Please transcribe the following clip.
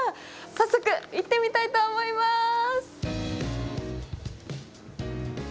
早速行ってみたいと思います！